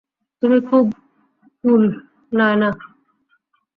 তুমি খুব কুল, নায়না।